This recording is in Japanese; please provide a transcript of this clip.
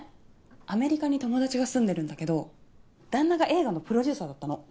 アメリカに友達が住んでるんだけど旦那が映画のプロデューサーだったの。